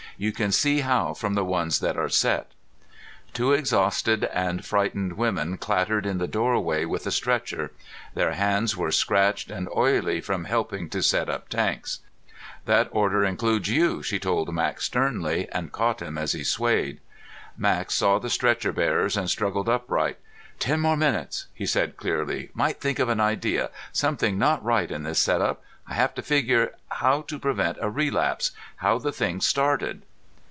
You can see how from the ones that are set." Two exhausted and frightened women clattered in the doorway with a stretcher. Their hands were scratched and oily from helping to set up tanks. "That order includes you," she told Max sternly and caught him as he swayed. Max saw the stretcher bearers and struggled upright. "Ten more minutes," he said clearly. "Might think of an idea. Something not right in this setup. I have to figure how to prevent a relapse, how the thing started."